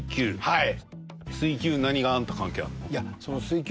はい。